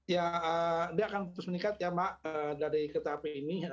ya dia akan terus meningkat ya mbak dari kereta api ini